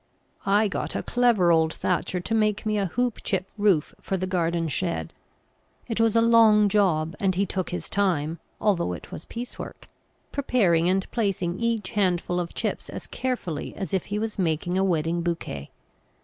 I got a clever old thatcher to make me a hoop chip roof for the garden shed; it was a long job, and he took his time (although it was piece work), preparing and placing each handful of chips as carefully as if he was making a wedding bouquet.